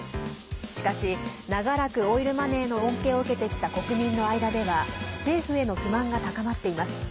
しかし、長らくオイルマネーの恩恵を受けてきた国民の間では政府への不満が高まっています。